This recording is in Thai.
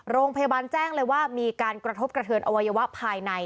โรงพยาบาลแจ้งเลยว่ามีการกระทบกระเทือนอวัยวะภายใน